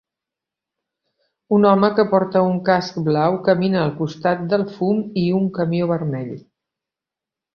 Un home que porta un casc blau camina al costat del fum i un camió vermell